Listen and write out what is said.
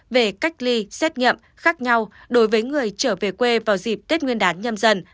về cách ly xét nghiệm khác nhau đối với người trở về quê vào dịp tết nguyên đán nhâm dân hai nghìn hai mươi hai